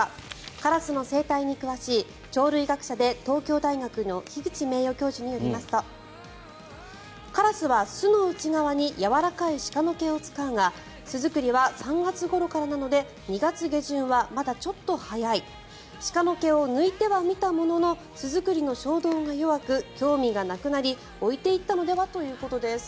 カラスの生態に詳しい鳥類学者で東京大学の樋口名誉教授によりますとカラスは巣の内側にやわらかい鹿の毛を使うが巣作りは３月ごろからなので２月下旬はまだちょっと早い鹿の毛を抜いてはみたものの巣作りの衝動が弱く興味がなくなり置いていったのではということです。